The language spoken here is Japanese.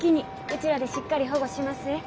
うちらでしっかり保護しますえ。